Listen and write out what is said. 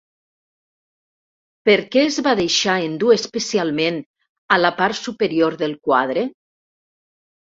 Per què es va deixar endur especialment a la part superior del quadre?